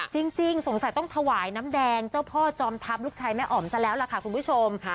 จริงสงสัยต้องถวายน้ำแดงเจ้าพ่อจอมทัพลูกชายแม่อ๋อมซะแล้วล่ะค่ะคุณผู้ชม